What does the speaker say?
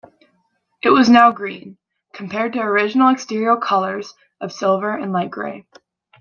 It was now green, compared to original exterior colours of silver and light grey.